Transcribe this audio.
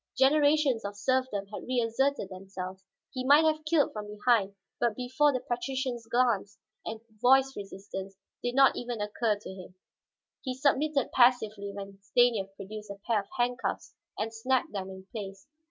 Generations of serfdom had reasserted themselves; he might have killed from behind, but before the patrician's glance and voice resistance did not even occur to him. He submitted passively when Stanief produced a pair of handcuffs and snapped them in place.